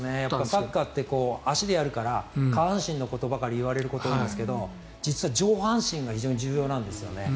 サッカーって足でやるから下半身のことばかり言われることが多いんですが実は上半身が重要なんですよね。